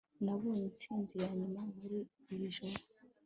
nabonye intsinzi yanyuma muri iri joro